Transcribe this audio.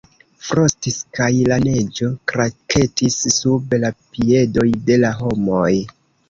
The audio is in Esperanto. Frostis kaj la neĝo kraketis sub la piedoj de la homoj.